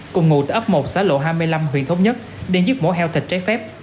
cùng ngụ tại ấp một xã lộ hai mươi năm huyện thống nhất để giết mổ heo thịt trái phép